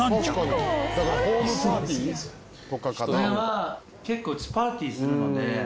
これは結構うちパーティーするので。